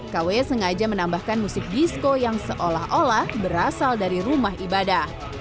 kw sengaja menambahkan musik disko yang seolah olah berasal dari rumah ibadah